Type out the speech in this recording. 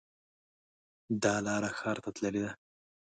دا لاره ښار ته تللې ده